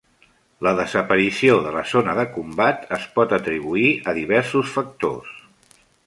La desaparició de la Zona de combat es pot atribuir a diversos factors.